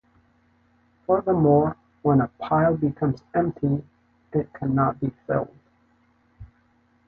Furthermore, when a pile becomes empty, it cannot be filled.